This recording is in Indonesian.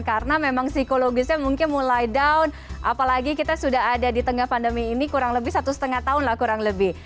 karena memang psikologisnya mungkin mulai down apalagi kita sudah ada di tengah pandemi ini kurang lebih satu lima tahun lah kurang lebih